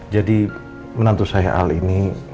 jadi menantu saya al ini